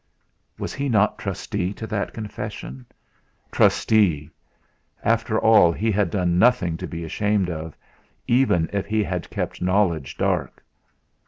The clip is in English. Was he not trustee to that confession! Trustee! After all he had done nothing to be ashamed of, even if he had kept knowledge dark.